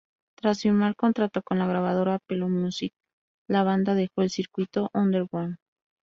Tras firmar contrato con la grabadora Pelo Music, la banda dejó el circuito underground.